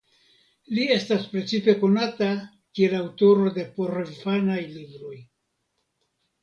Li estas precipe konata kiel aŭtoro de porinfanaj libroj.